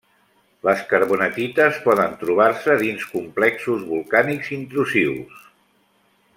Les carbonatites poden trobar-se dins complexos volcànics intrusius.